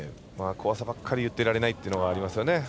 怖さばかり言ってられないというのはありますよね。